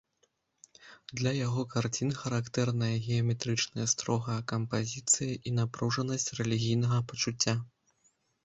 Для яго карцін характэрная геаметрычна строгая кампазіцыя і напружанасць рэлігійнага пачуцця.